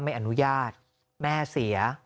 ไม่อนุญาตแม่เสีย